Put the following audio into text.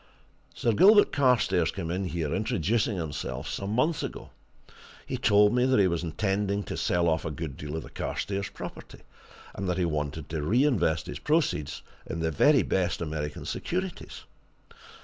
Sir Gilbert Carstairs came in here, introducing himself, some months ago. He told me that he was intending to sell off a good deal of the Carstairs property, and that he wanted to reinvest his proceeds in the very best American securities.